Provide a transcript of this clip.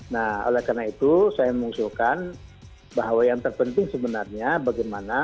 nah oleh karena itu saya mengusulkan bahwa yang terpenting sebenarnya bagaimana